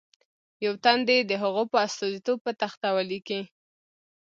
یو تن دې د هغو په استازیتوب په تخته ولیکي.